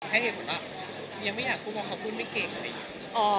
ให้เห็นเหมือนว่ายังไม่อยากคุยกับเขาคุยไม่เก่งอะไรอยู่